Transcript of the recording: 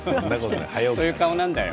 そういう顔なんだよ。